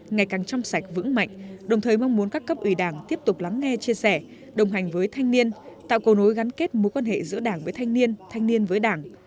ngày càng trong sạch vững mạnh đồng thời mong muốn các cấp ủy đảng tiếp tục lắng nghe chia sẻ đồng hành với thanh niên tạo cầu nối gắn kết mối quan hệ giữa đảng với thanh niên thanh niên với đảng